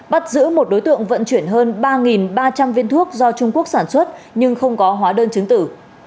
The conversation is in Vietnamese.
bắt giữ một đối tượng vận chuyển hơn ba ba trăm linh viên thuốc do trung quốc sản xuất nhưng không có hóa đơn chứng tử